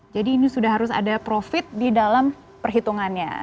jadi ini sudah harus ada profit di dalam perhitungannya